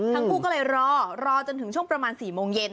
ทั้งคู่ก็เลยรอรอจนถึงช่วงประมาณ๔โมงเย็น